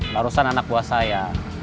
barusan anak buah saya